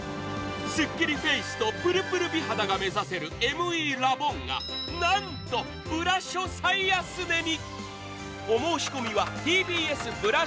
すっきりフェイスとプルプル肌が目指せるＭＥラボンがなんとブラショ最安値に。